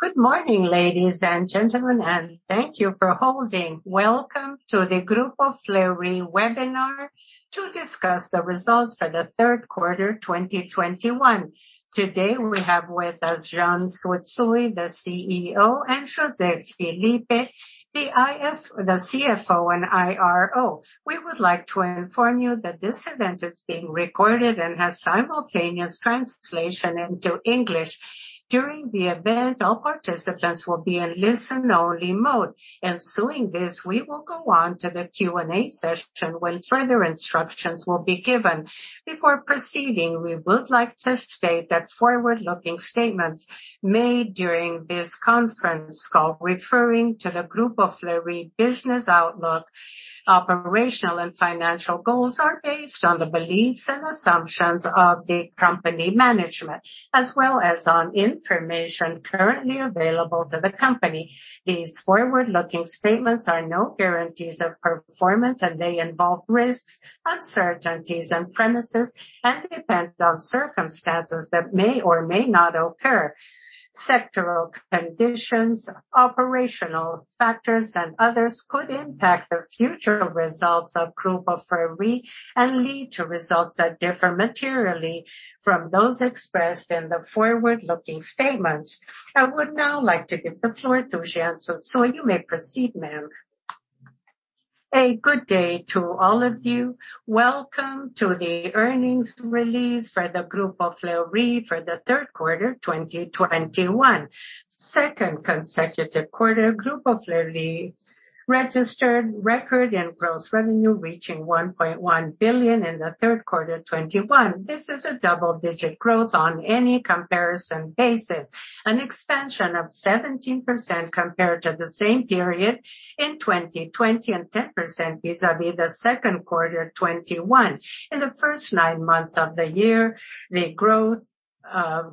Good morning, ladies and gentlemen, and thank you for holding. Welcome to the Grupo Fleury webinar to discuss the results for the third quarter 2021. Today we have with us Jeane Tsutsui, the CEO, and José Filippo, the CFO and IRO. We would like to inform you that this event is being recorded and has simultaneous translation into English. During the event, all participants will be in listen-only mode. Following this, we will go on to the Q&A session when further instructions will be given. Before proceeding, we would like to state that forward-looking statements made during this conference call referring to the Grupo Fleury business outlook, operational and financial goals are based on the beliefs and assumptions of the company management, as well as on information currently available to the company. These forward-looking statements are no guarantees of performance, and they involve risks, uncertainties, and premises and depend on circumstances that may or may not occur. Sectoral conditions, operational factors, and others could impact the future results of Grupo Fleury and lead to results that differ materially from those expressed in the forward-looking statements. I would now like to give the floor to Jeane Tsutsui. You may proceed, ma'am. A good day to all of you. Welcome to the earnings release for the Grupo Fleury for the third quarter 2021. Second consecutive quarter, Grupo Fleury registered record in gross revenue, reaching 1.1 billion in the third quarter 2021. This is a double-digit growth on any comparison basis, an expansion of 17% compared to the same period in 2020 and 10% vis-à-vis the second quarter 2021. In the first nine months of the year, the growth,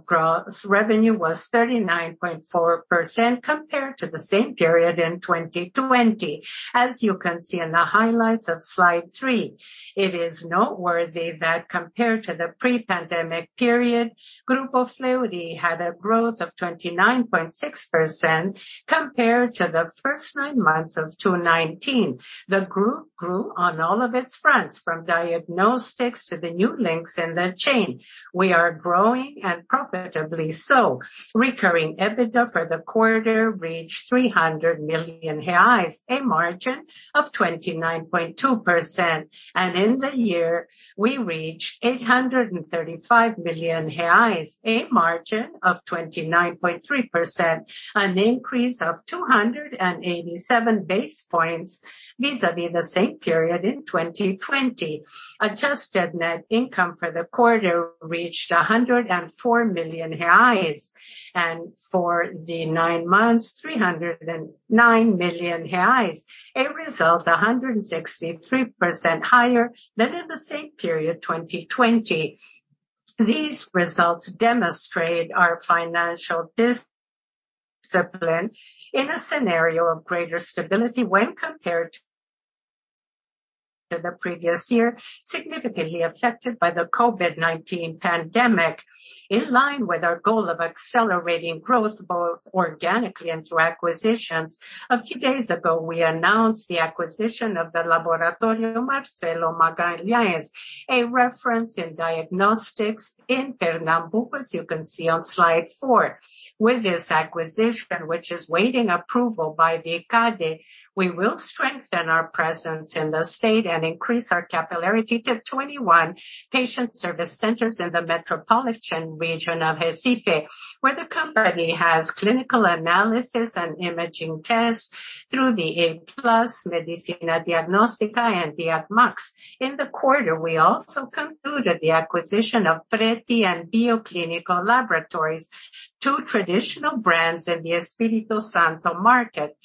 gross revenue was 39.4% compared to the same period in 2020. As you can see in the highlights of slide 3, it is noteworthy that compared to the pre-pandemic period, Grupo Fleury had a growth of 29.6% compared to the first nine months of 2019. The group grew on all of its fronts, from diagnostics to the new links in the chain. We are growing and profitably so. Recurring EBITDA for the quarter reached 300 million reais, a margin of 29.2%. In the year, we reached 835 million reais, a margin of 29.3%, an increase of 287 basis points vis-à-vis the same period in 2020. Adjusted net income for the quarter reached 104 million reais, and for the 9 months, 309 million reais, a result 163% higher than in the same period 2020. These results demonstrate our financial discipline in a scenario of greater stability when compared to the previous year, significantly affected by the COVID-19 pandemic. In line with our goal of accelerating growth both organically and through acquisitions, a few days ago we announced the acquisition of the Laboratório Marcelo Magalhães, a reference in diagnostics in Pernambuco, as you can see on slide 4. With this acquisition, which is waiting approval by the CADE, we will strengthen our presence in the state and increase our capillarity to 21 patient service centers in the metropolitan region of Recife, where the company has clinical analysis and imaging tests through the a+ Medicina Diagnóstica and Diagmax. In the quarter, we also concluded the acquisition of Pretti and Laboratório Bioclinico, two traditional brands in the Espírito Santo market,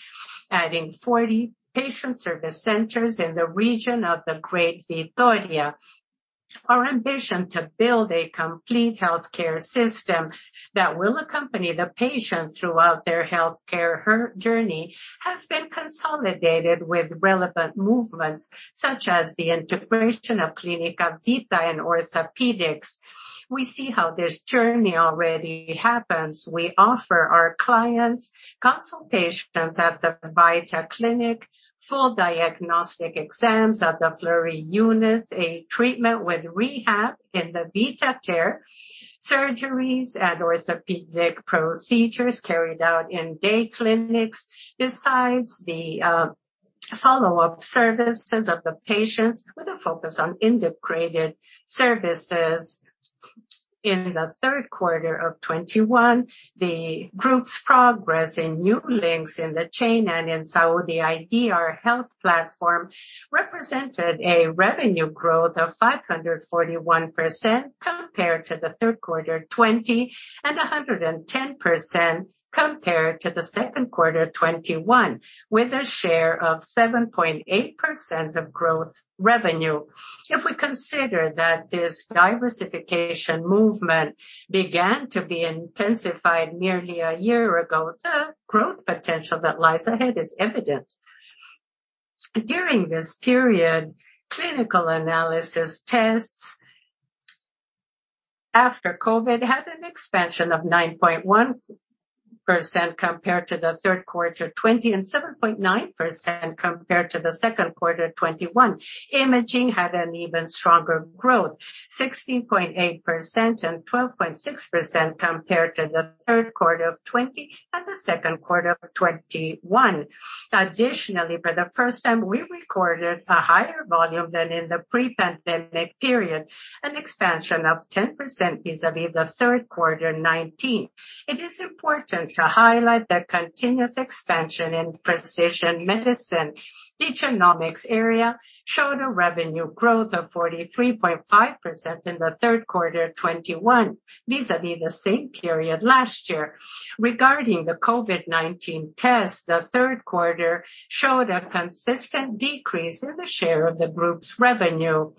adding 40 patient service centers in the region of the Great Vitória. Our ambition to build a complete healthcare system that will accompany the patient throughout their healthcare journey has been consolidated with relevant movements such as the integration of Clínica Vita in orthopedics. We see how this journey already happens. We offer our clients consultations at the Vita clinic, full diagnostic exams at the Fleury units, a treatment with rehab in the Vita Care, surgeries and orthopedic procedures carried out in day clinics, besides the follow-up services of the patients with a focus on integrated services. In the third quarter of 2021, the group's progress in new links in the chain and in Saúde iD, our health platform, represented a revenue growth of 541% compared to the third quarter 2020 and 110% compared to the second quarter 2021, with a share of 7.8% of growth revenue. If we consider that this diversification movement began to be intensified nearly a year ago, the growth potential that lies ahead is evident. During this period, clinical analysis tests after COVID had an expansion of 9.1% compared to the third quarter 2020 and 7.9% compared to the second quarter 2021. Imaging had an even stronger growth, 16.8% and 12.6% compared to the third quarter of 2020 and the second quarter of 2021. Additionally, for the first time, we recorded a higher volume than in the pre-pandemic period, an expansion of 10% vis-à-vis the third quarter 2019. It is important to highlight the continuous expansion in precision medicine. The genomics area showed a revenue growth of 43.5% in the third quarter 2021 vis-à-vis the same period last year. Regarding the COVID-19 test, the third quarter showed a consistent decrease in the share of the group's revenue.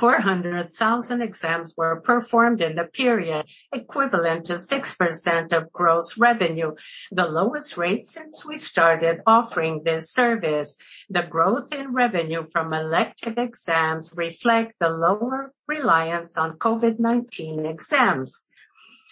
400,000 exams were performed in the period, equivalent to 6% of gross revenue, the lowest rate since we started offering this service. The growth in revenue from elective exams reflect the lower reliance on COVID-19 exams.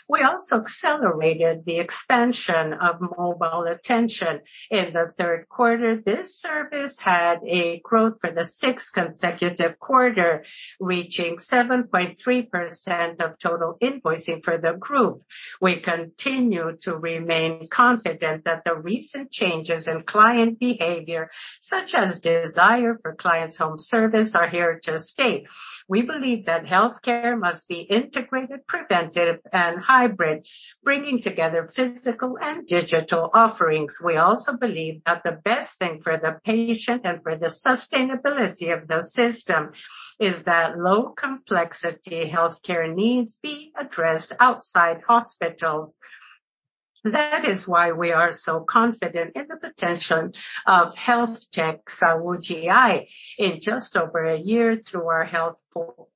We also accelerated the expansion of mobile attention. In the third quarter, this service had a growth for the sixth consecutive quarter, reaching 7.3% of total invoicing for the group. We continue to remain confident that the recent changes in client behavior, such as desire for clients home service, are here to stay. We believe that healthcare must be integrated, preventive, and hybrid, bringing together physical and digital offerings. We also believe that the best thing for the patient and for the sustainability of the system is that low complexity healthcare needs be addressed outside hospitals. That is why we are so confident in the potential of health tech Saúde iD. In just over a year, through our health care platform,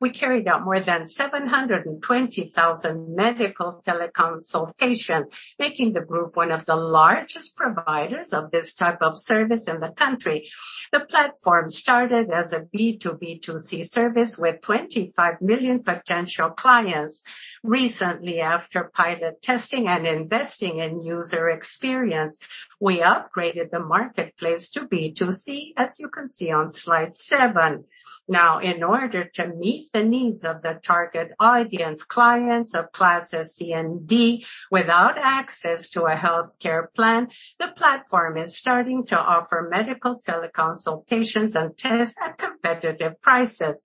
we carried out more than 720,000 medical teleconsultation, making the group one of the largest providers of this type of service in the country. The platform started as a B2B2C service with 25 million potential clients. Recently, after pilot testing and investing in user experience, we upgraded the marketplace to B2C, as you can see on slide 7. Now, in order to meet the needs of the target audience, clients of class C and D without access to a healthcare plan, the platform is starting to offer medical teleconsultations and tests at competitive prices.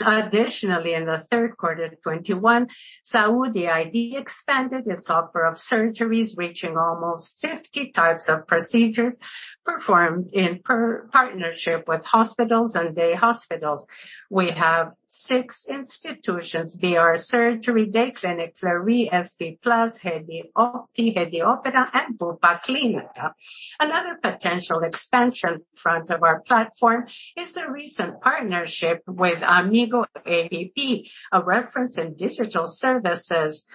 Additionally, in the third quarter of 2021, Saúde iD expanded its offer of surgeries, reaching almost 50 types of procedures performed in partnership with hospitals and day hospitals. We have six institutions, BR Surgery Day Clinic, Fleury SP+, Hedi Opti, Hedi Opera, and Burpa Clínica. Another potential expansion front of our platform is a recent partnership with Amigo APP, a reference in digital services.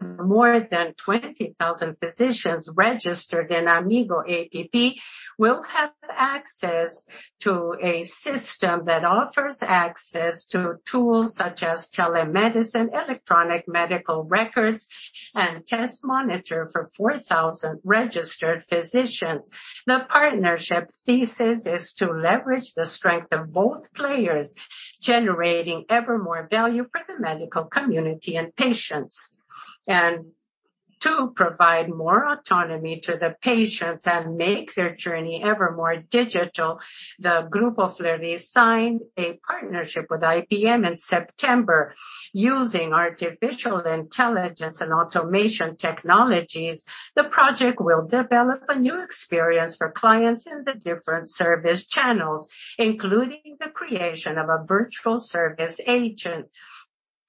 More than 20,000 physicians registered in Amigo APP will have access to a system that offers access to tools such as telemedicine, electronic medical records, and test monitor for 4,000 registered physicians. The partnership thesis is to leverage the strength of both players, generating ever more value for the medical community and patients. To provide more autonomy to the patients and make their journey ever more digital, the Grupo Fleury signed a partnership with IBM in September using artificial intelligence and automation technologies. The project will develop a new experience for clients in the different service channels, including the creation of a virtual service agent.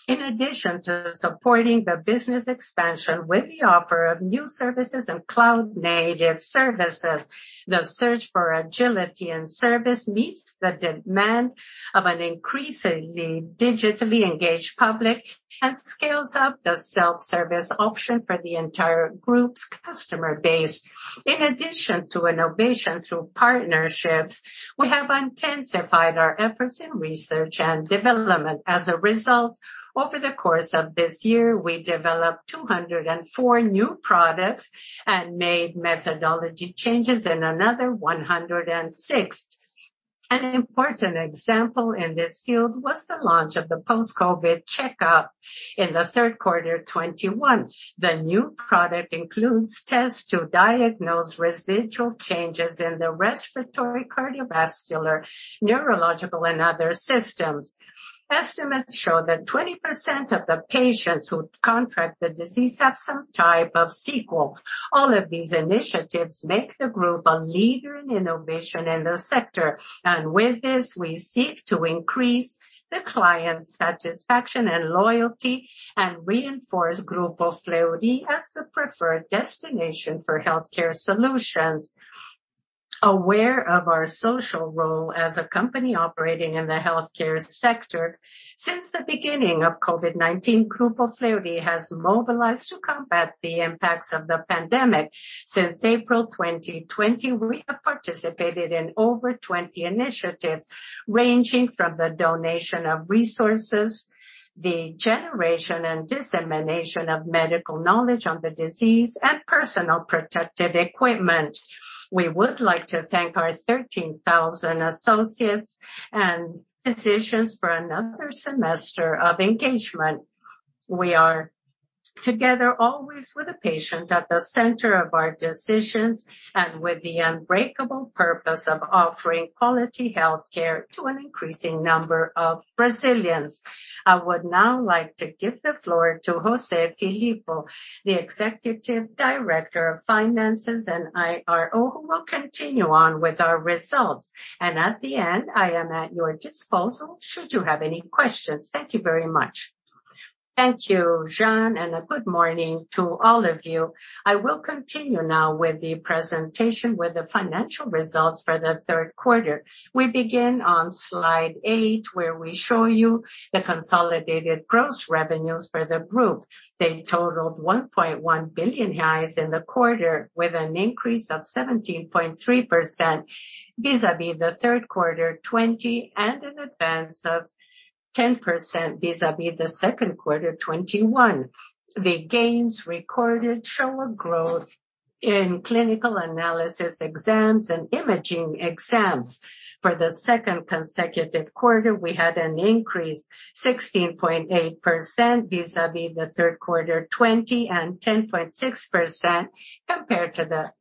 In addition to supporting the business expansion with the offer of new services and cloud native services, the search for agility and service meets the demand of an increasingly digitally engaged public and scales up the self-service option for the entire group's customer base. In addition to innovation through partnerships, we have intensified our efforts in research and development. As a result, over the course of this year, we developed 204 new products and made methodology changes in another 106. An important example in this field was the launch of the post-COVID checkup in Q3 2021. The new product includes tests to diagnose residual changes in the respiratory, cardiovascular, neurological, and other systems. Estimates show that 20% of the patients who contract the disease have some type of sequela. All of these initiatives make the group a leader in innovation in the sector. With this, we seek to increase the client satisfaction and loyalty and reinforce Grupo Fleury as the preferred destination for healthcare solutions. Aware of our social role as a company operating in the healthcare sector, since the beginning of COVID-19, Grupo Fleury has mobilized to combat the impacts of the pandemic. Since April 2020, we have participated in over 20 initiatives, ranging from the donation of resources, the generation and dissemination of medical knowledge on the disease, and personal protective equipment. We would like to thank our 13,000 associates and physicians for another semester of engagement. We are together always with the patient at the center of our decisions and with the unbreakable purpose of offering quality health care to an increasing number of Brazilians. I would now like to give the floor to José Filippo, the Executive Director of Finances and IRO, who will continue on with our results. At the end, I am at your disposal should you have any questions. Thank you very much. Thank you, Jeane, and a good morning to all of you. I will continue now with the presentation with the financial results for the third quarter. We begin on slide 8, where we show you the consolidated gross revenues for the group. They totaled 1.1 billion reais in the quarter, with an increase of 17.3% vis-a-vis the third quarter 2020, and an advance of 10% vis-a-vis the second quarter 2021. The gains recorded show a growth in clinical analysis exams and imaging exams. For the second consecutive quarter, we had an increase 16.8% vis-à-vis the third quarter 2020 and 10.6% compared to the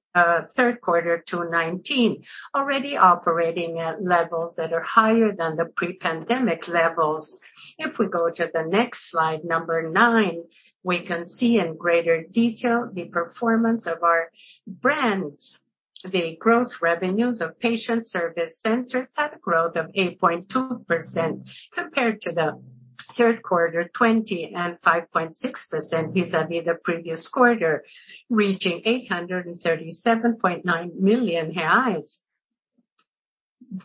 third quarter 2019, already operating at levels that are higher than the pre-pandemic levels. If we go to the next slide, 9, we can see in greater detail the performance of our brands. The gross revenues of patient service centers had a growth of 8.2% compared to the third quarter 2020 and 5.6% vis-à-vis the previous quarter, reaching 837.9 million reais.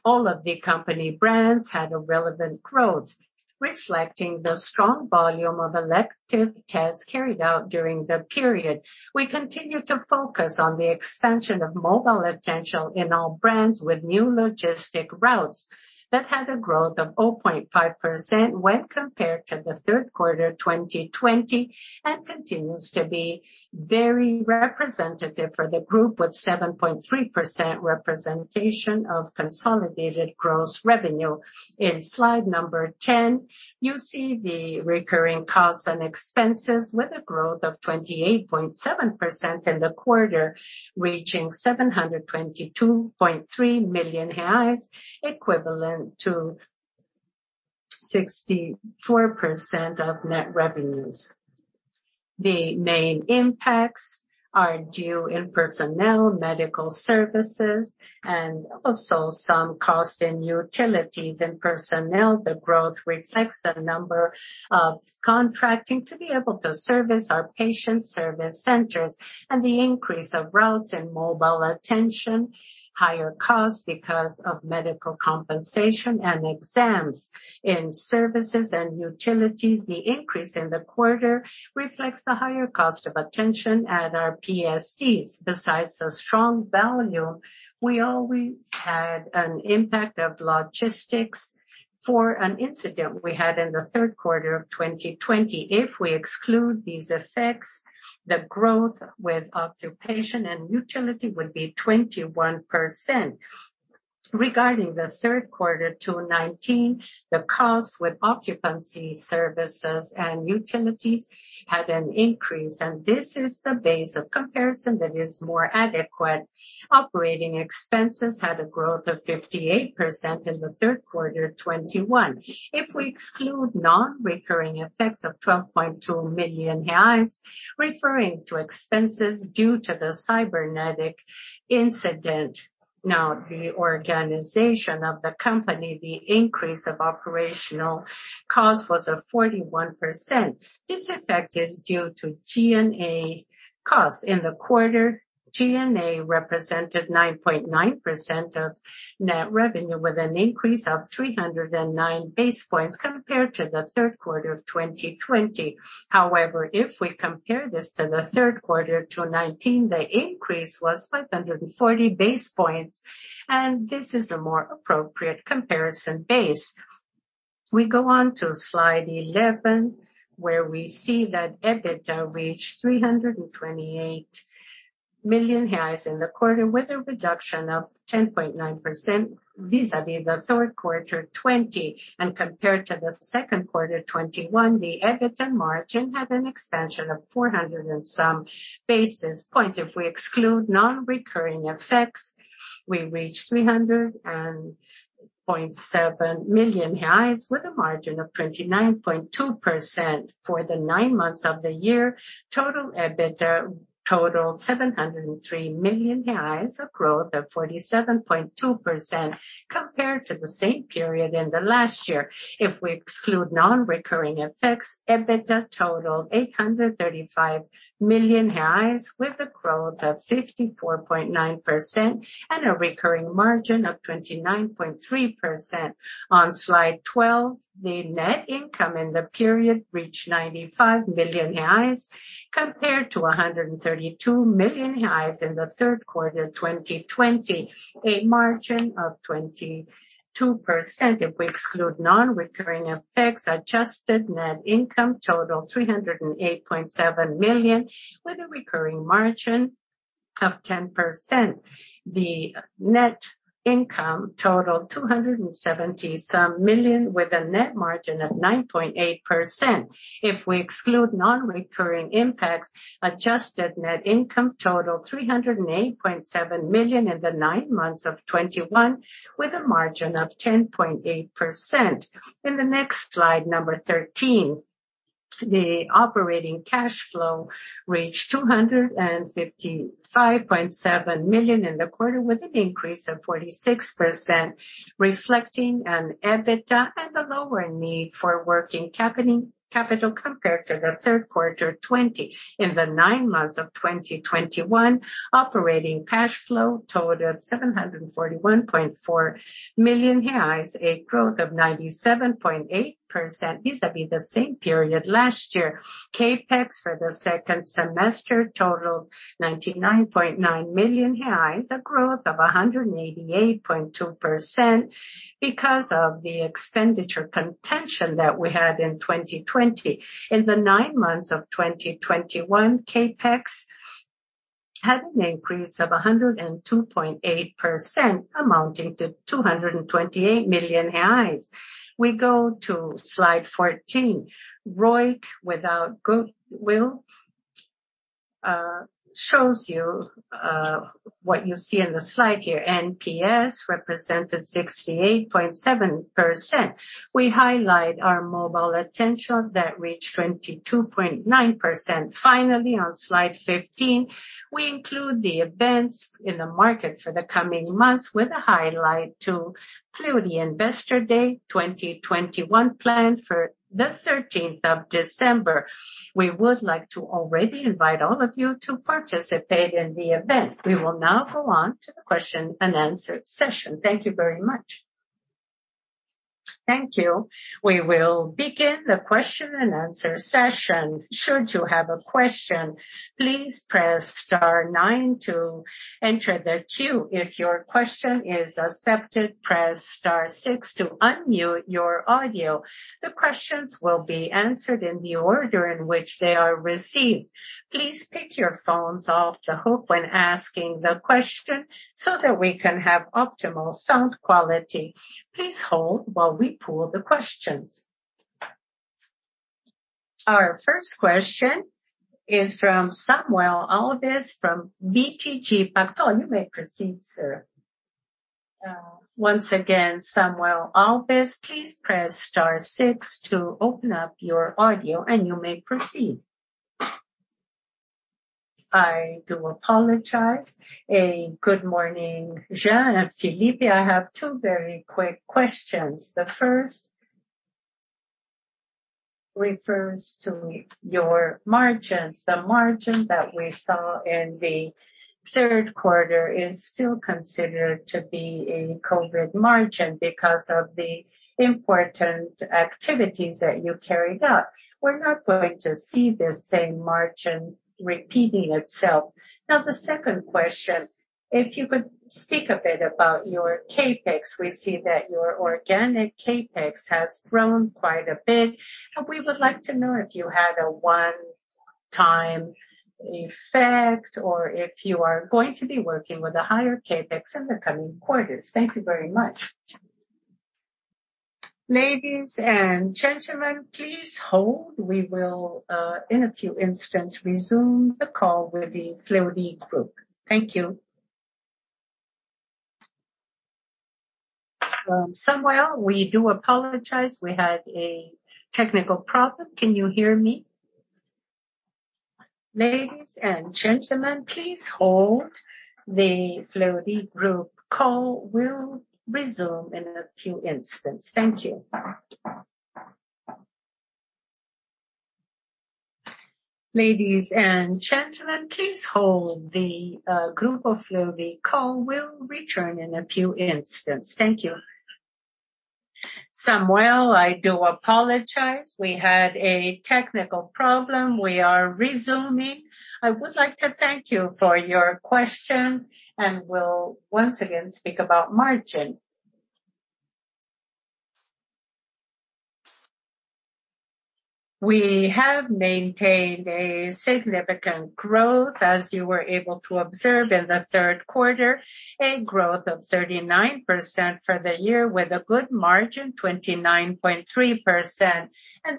All of the company brands had a relevant growth, reflecting the strong volume of elective tests carried out during the period. We continue to focus on the expansion of mobile attention in all brands with new logistic routes that had a growth of 0.5% when compared to the third quarter 2020 and continues to be very representative for the group with 7.3% representation of consolidated gross revenue. In slide 10, you see the recurring costs and expenses with a growth of 28.7% in the quarter, reaching 722.3 million reais, equivalent to 64% of net revenues. The main impacts are due to personnel, medical services, and also some cost in utilities. In personnel, the growth reflects the number of contracting to be able to service our patient service centers and the increase of routes and mobile attention, higher cost because of medical compensation and exams. In services and utilities, the increase in the quarter reflects the higher cost of operations at our PSCs. Besides the strong volume, we always had an impact of logistics for an incident we had in the third quarter of 2020. If we exclude these effects, the growth in occupancy and utilities would be 21%. Regarding the third quarter of 2019, the cost of occupancy, services and utilities had an increase, and this is the base of comparison that is more adequate. Operating expenses had a growth of 58% in the third quarter 2021. If we exclude non-recurring effects of 12.2 million reais referring to expenses due to the cyber incident and the reorganization of the company, the increase of operational cost was 41%. This effect is due to G&A costs. In the quarter, G&A represented 9.9% of net revenue, with an increase of 309 basis points compared to the third quarter of 2020. However, if we compare this to the third quarter of 2019, the increase was 540 basis points, and this is the more appropriate comparison base. We go on to slide 11, where we see that EBITDA reached 328 million in the quarter, with a reduction of 10.9% vis-à-vis the third quarter 2020. Compared to the second quarter 2021, the EBITDA margin had an expansion of 400 and some basis points. If we exclude non-recurring effects, we reach 337 million reais with a margin of 29.2%. For the nine months of the year, total EBITDA totaled 703 million reais, a growth of 47.2% compared to the same period in the last year. If we exclude non-recurring effects, EBITDA totaled 835 million reais with a growth of 54.9% and a recurring margin of 29.3%. On slide 12, the net income in the period reached 95 million reais compared to 132 million reais in the third quarter 2020, a margin of 22%. If we exclude non-recurring effects, adjusted net income totaled 308.7 million, with a recurring margin of 10%. The net income totaled 270+ million, with a net margin of 9.8%. If we exclude non-recurring impacts, adjusted net income totaled 308.7 million in the nine months of 2021, with a margin of 10.8%. In the next slide, number 13, the operating cash flow reached 255.7 million in the quarter, with an increase of 46%, reflecting an EBITDA and the lower need for working capital compared to the third quarter 2020. In the nine months of 2021, operating cash flow totaled 741.4 million reais, a growth of 97.8% vis-à-vis the same period last year. CapEx for the second semester totaled 99.9 million reais, a growth of 188.2% because of the expenditure contention that we had in 2020. In the nine months of 2021, CapEx had an increase of 102.8% amounting to 228 million reais. We go to slide 14. ROIC without goodwill shows you what you see in the slide here. NPS represented 68.7%. We highlight our mobile attention that reached 22.9%. Finally, on slide 15, we include the events in the market for the coming months with a highlight to Fleury Investor Day 2021 planned for the 13th of December. We would like to already invite all of you to participate in the event. We will now go on to the question-and-answer session. Thank you very much. Thank you. We will begin the question-and-answer session. Should you have a question, please press star nine to enter the queue. If your question is accepted, press star six to unmute your audio. The questions will be answered in the order in which they are received. Please keep your phones off the hook when asking the question so that we can have ultimate sound quality. Please hold while we pull the question. Our first question is from Samuel Alves from BTG Pactual. You may proceed, sir. Once again, Samuel Alves, please press star six to open up your audio, and you may proceed. I do apologize. Good morning, Jean and Filippo. I have two very quick questions. The first refers to your margins. The margin that we saw in the third quarter is still considered to be a COVID margin because of the important activities that you carried out. We're not going to see the same margin repeating itself. Now, the second question, if you could speak a bit about your CapEx. We see that your organic CapEx has grown quite a bit, and we would like to know if you had a one-time effect or if you are going to be working with a higher CapEx in the coming quarters. Thank you very much. Ladies and gentlemen, please hold. We will in a few instance resume. The call will be Fleury Grupo. Thank you. Samuel, we do apologize, we had a technical problem. Can you hear me? Ladies and gentlemen, please hold, the Fleury Grupo call will resume in a few instance. Thank you. Ladies and gentlemen, please hold, the Grupo Fleury call will return in a few instance. Thank you. Samuel, I do apologize. We had a technical problem. We are resuming. I would like to thank you for your question, and we'll once again speak about margin. We have maintained a significant growth, as you were able to observe in the third quarter. A growth of 39% for the year with a good margin, 29.3%.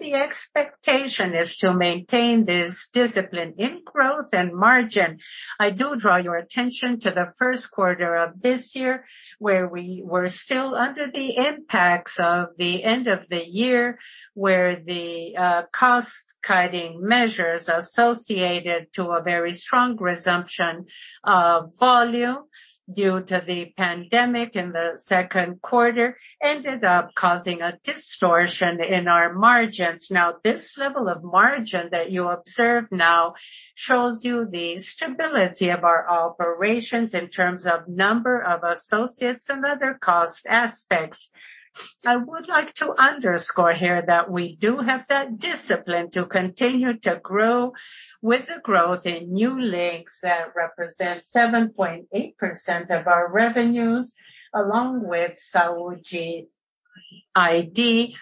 The expectation is to maintain this discipline in growth and margin. I do draw your attention to the first quarter of this year, where we were still under the impacts of the end of the year, where the cost-cutting measures associated to a very strong resumption of volume due to the pandemic in the second quarter ended up causing a distortion in our margins. Now, this level of margin that you observe now shows you the stability of our operations in terms of number of associates and other cost aspects. I would like to underscore here that we do have that discipline to continue to grow with the growth in new links that represent 7.8% of our revenues, along with Saúde iD,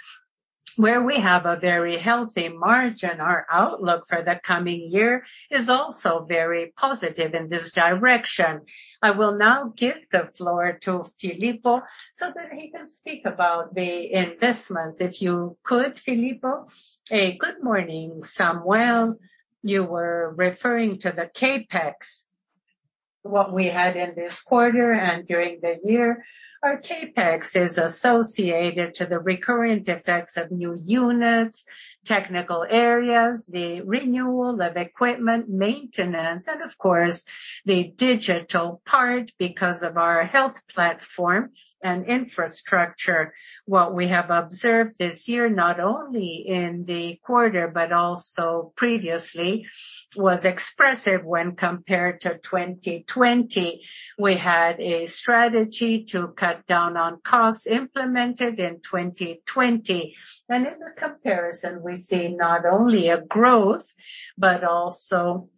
where we have a very healthy margin. Our outlook for the coming year is also very positive in this direction. I will now give the floor to José Filippo so that he can speak about the investments. If you could, José Filippo. Good morning, Samuel. You were referring to the CapEx. What we had in this quarter and during the year. Our CapEx is associated to the recurrent effects of new units, technical areas, the renewal of equipment maintenance, and of course, the digital part because of our health platform and infrastructure. What we have observed this year, not only in the quarter but also previously, was expressive when compared to 2020. We had a strategy to cut down on costs implemented in 2020. In the comparison, we see not only a growth, but also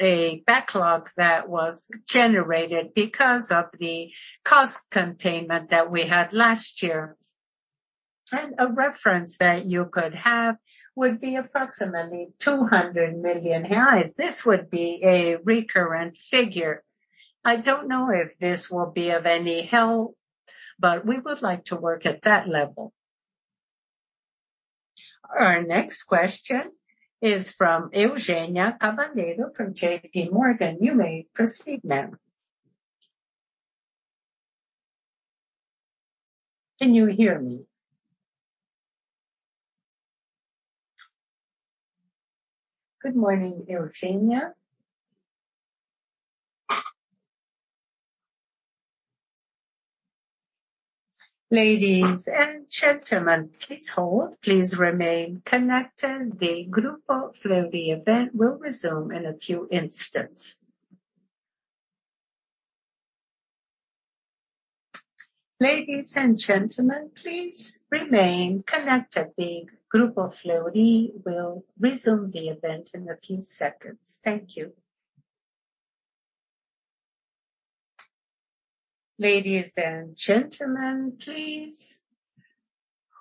a backlog that was generated because of the cost containment that we had last year. A reference that you could have would be approximately 200 million reais. This would be a recurrent figure. I don't know if this will be of any help, but we would like to work at that level. Our next question is from Eugenia Cavalheiro from JPMorgan. You may proceed, ma'am. Can you hear me? Good morning, Eugenia. Ladies and gentlemen, please hold, please remain connected, the Grupo Fleury event will resume in a few instance. Ladies and gentlemen, please remain connected, the Grupo Fleury will resume the event in a few seconds. Thank you. Ladies and gentlemen, please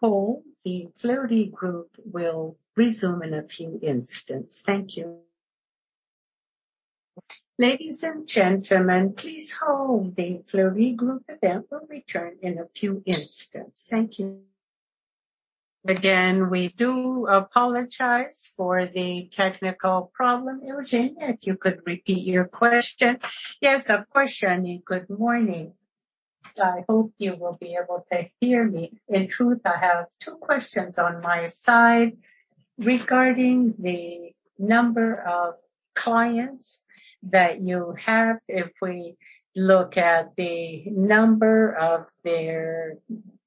hold, the Fleury Group will resume in a few instance. Thank you. Ladies and gentlemen, please hold, the Fleury Group will resume in a few instance. Again, we do apologize for the technical issue. Eugenia, if you could repeat your question. Yes, of course, Rany. Good morning. I hope you will be able to hear me. In truth, I have two questions on my side. Regarding the number of clients that you have, if we look at the number of their,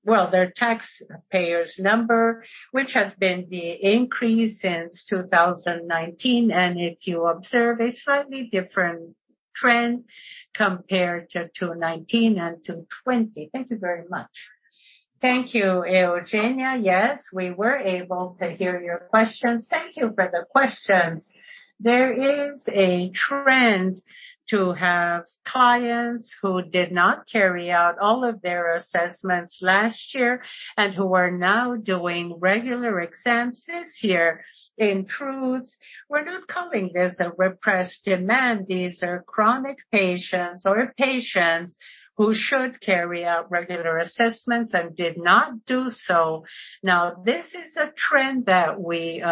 well, their taxpayers number, which has been the increase since 2019. If you observe a slightly different trend compared to 2019 and 2020. Thank you very much. Thank you, Eugenia. Yes, we were able to hear your questions. Thank you for the questions. There is a trend to have clients who did not carry out all of their assessments last year and who are now doing regular exams this year. In truth, we're not calling this a repressed demand. These are chronic patients or patients who should carry out regular assessments and did not do so. Now, this is a trend that we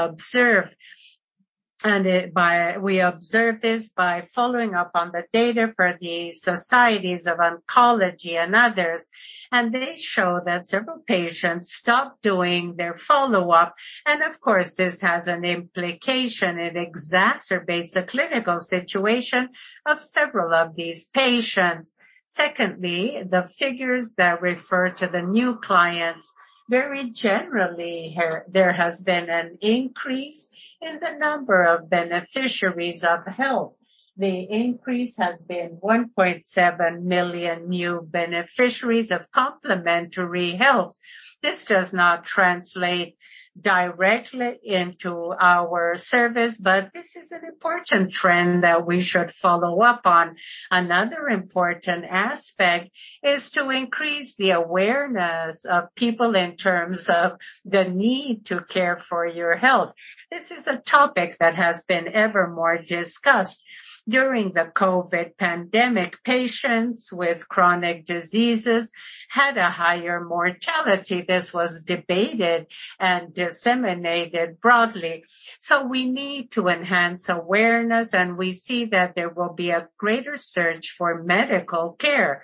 observe. We observe this by following up on the data for the societies of oncology and others. They show that several patients stopped doing their follow-up, and, of course, this has an implication. It exacerbates the clinical situation of several of these patients. Secondly, the figures that refer to the new clients, very generally here, there has been an increase in the number of beneficiaries of health. The increase has been 1.7 million new beneficiaries of complementary health. This does not translate directly into our service, but this is an important trend that we should follow up on. Another important aspect is to increase the awareness of people in terms of the need to care for your health. This is a topic that has been ever more discussed during the COVID pandemic. Patients with chronic diseases had a higher mortality. This was debated and disseminated broadly. We need to enhance awareness, and we see that there will be a greater search for medical care.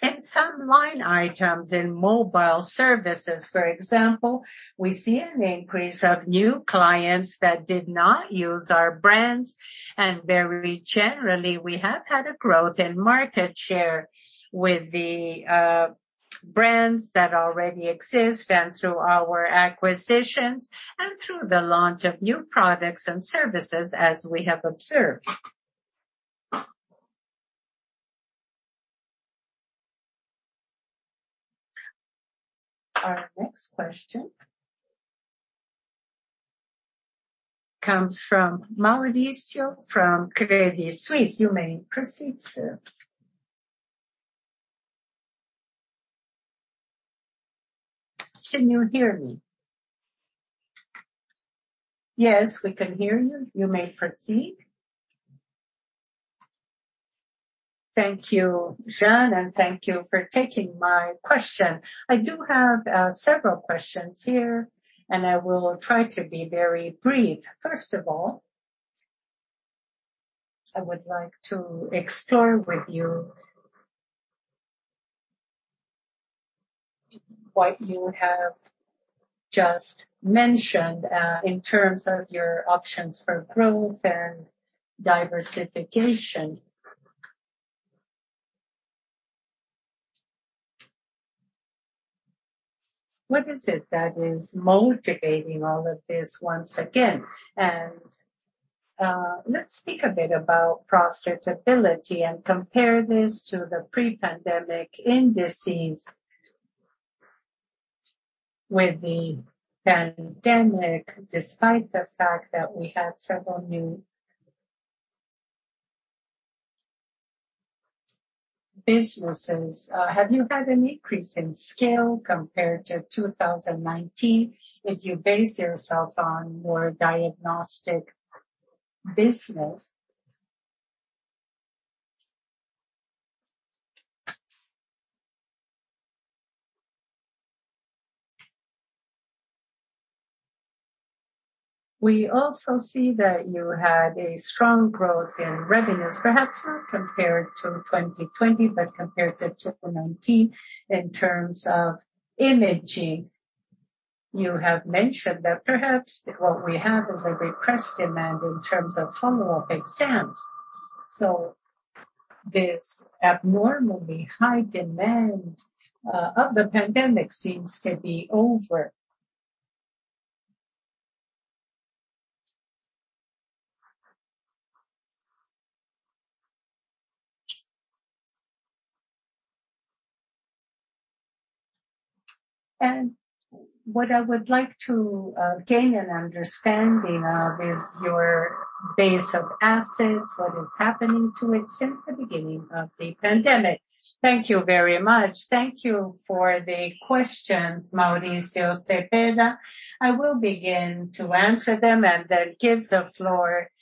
In some line items in mobile services, for example, we see an increase of new clients that did not use our brands. Very generally, we have had a growth in market share with the brands that already exist and through our acquisitions and through the launch of new products and services as we have observed. Our next question comes from Mauricio Cepeda from Credit Suisse. You may proceed, sir. Can you hear me? Yes, we can hear you. You may proceed. Thank you, Jeane, and thank you for taking my question. I do have several questions here, and I will try to be very brief. First of all, I would like to explore with you what you have just mentioned in terms of your options for growth and diversification. What is it that is motivating all of this once again? Let's speak a bit about profitability and compare this to the pre-pandemic indices. With the pandemic, despite the fact that we had several new businesses, have you had an increase in scale compared to 2019 if you base yourself on your diagnostic business? We also see that you had a strong growth in revenues, perhaps not compared to 2020, but compared to 2019 in terms of imaging. You have mentioned that perhaps what we have is a repressed demand in terms of follow-up exams. This abnormally high demand of the pandemic seems to be over. What I would like to gain an understanding of is your base of assets, what is happening to it since the beginning of the pandemic. Thank you very much. Thank you for the questions, Mauricio Cepeda. I will begin to answer them and then give the floor to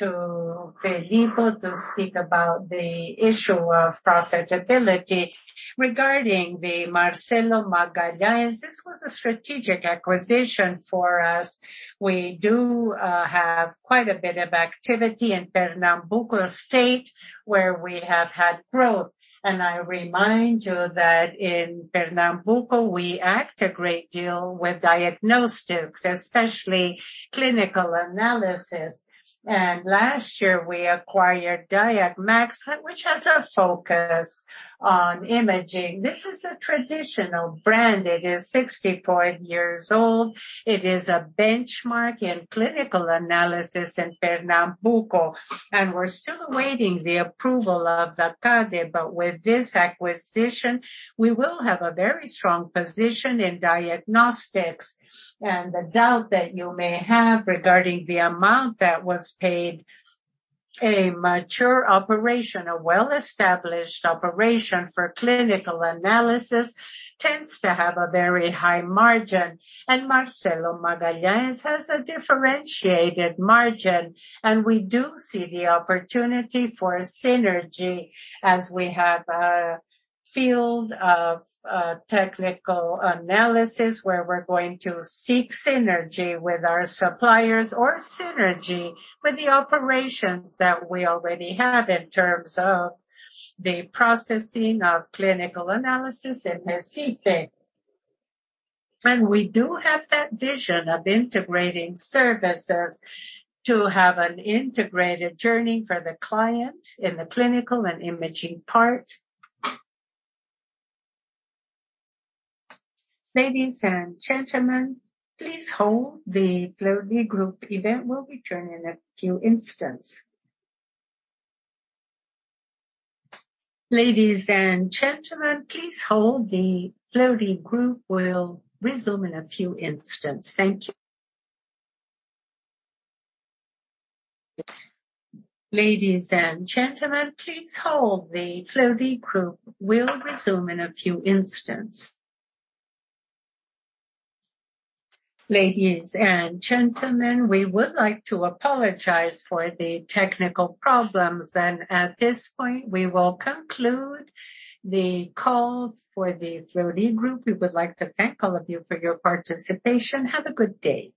Filippo to speak about the issue of profitability. Regarding the Marcelo Magalhães, this was a strategic acquisition for us. We do have quite a bit of activity in Pernambuco State, where we have had growth. I remind you that in Pernambuco, we act a great deal with diagnostics, especially clinical analysis. Last year, we acquired Diagmax, which has a focus on imaging. This is a traditional brand. It is 64 years old. It is a benchmark in clinical analysis in Pernambuco, and we're still awaiting the approval of the CADE. With this acquisition, we will have a very strong position in diagnostics. The doubt that you may have regarding the amount that was paid, a mature operation, a well-established operation for clinical analysis tends to have a very high margin. Marcelo Magalhães has a differentiated margin, and we do see the opportunity for synergy as we have a field of technical analysis where we're going to seek synergy with our suppliers or synergy with the operations that we already have in terms of the processing of clinical analysis in Recife. We do have that vision of integrating services to have an integrated journey for the client in the clinical and imaging part. Ladies and gentlemen, please hold, the Fleury Group event will return in a few instance. Ladies and gentlemen, please hold, the Fleury Group will resume in a few instance. Thank you. Ladies and gentlemen, please hold, the Fleury Group will resume in a few instance. Ladies and gentlemen, we would like to apologize for the technical problems. At this point, we will conclude the call for the Fleury Group. We would like to thank all of you for your participation. Have a good day.